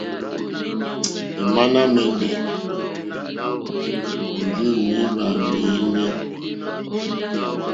Ìŋmánà à mɛ̀ndɛ́ ndí nìbâ mɛ́ɛ́nɛ́.